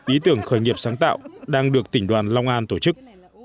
ý tưởng khởi nghiệp sáng tạo đang được tỉnh đoàn long an tổ chức